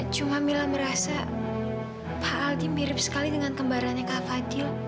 cuma mila merasa pak aldi mirip sekali dengan kembarannya kak fadil